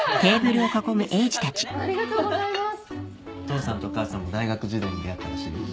父さんと母さんも大学時代に出会ったらしいよ。